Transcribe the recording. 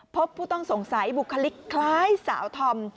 พบผู้ต้องสงสัยบุคลิกคล้ายสาวธอม